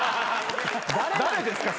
誰ですか？